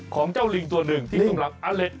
ของเจ้าลิงตัวหนึ่งที่ตรงหลังอลเลส